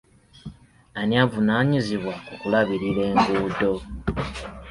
Ani avunaanyizibwa ku kulabirira enguudo?